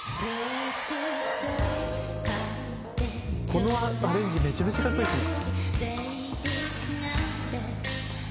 「このアレンジめちゃめちゃ格好いいですね」